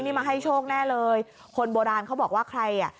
นี่มาให้โชคแน่เลยคนโบราณเขาบอกว่าใครอ่ะ